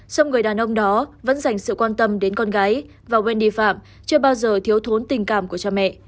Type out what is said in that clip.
sông người đàn ông đó vẫn dành sự quan tâm đến con gái và wendy phạm chưa bao giờ thiếu thốn tình cảm của cha mẹ